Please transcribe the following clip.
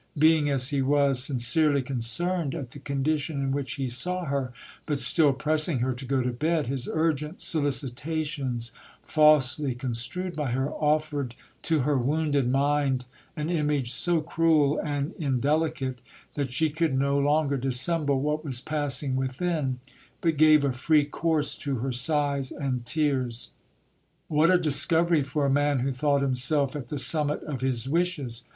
Being, as he was, sin cerely concerned at the condition in which he saw her, but still pressing her to 50 to bed, his urgent solicitations, falsely construed by her, offered to her wounded mind an image so cruel and indelicate, that she could no longer dis jemble what was passing within, but gave a free course to her sighs and tears. vVhat a discovery for a man who thought himself at the summit of his wishes